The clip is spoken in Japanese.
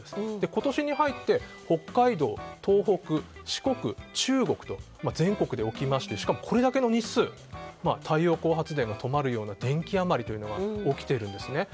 今年に入って北海道、東北、四国、中国と全国で起きましてしかもこれだけの日数太陽光発電が止まるような電気余りが起きているんですね。